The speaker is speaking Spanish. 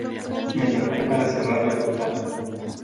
me levanté para cerrar la ventana.